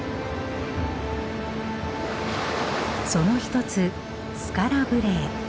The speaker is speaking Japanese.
その一つスカラ・ブレエ。